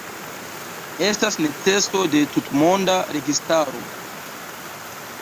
Estas neceso de tutmonda registaro.